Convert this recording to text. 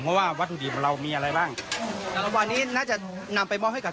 เพราะว่าวัตถุดิบของเรามีอะไรบ้างระหว่างนี้น่าจะนำไปมอบให้กับ